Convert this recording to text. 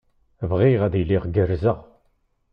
Bɣiɣ ad iliɣ gerrzeɣ.